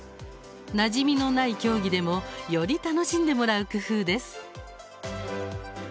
なじみのない競技でもより楽しんでもらう工夫です。